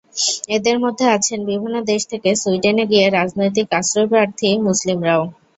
এঁদের মধ্যে আছেন বিভিন্ন দেশ থেকে সুইডেনে গিয়ে রাজনৈতিক আশ্রয়প্রার্থী মুসলিমরাও।